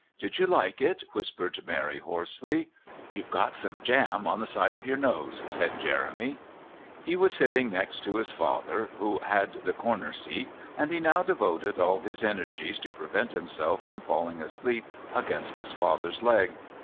"Did you like it?" whispered Mary hoarsely. "You've got some jam on the side of your nose," said Jeremy. He was sitting next to his father, who had the corner seat, and he now devoted all his energies to prevent himself from falling asleep against his father's leg.